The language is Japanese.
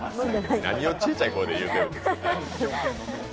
なにを小さい声で言うてるんですか。